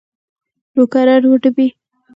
نوکران وډبوي.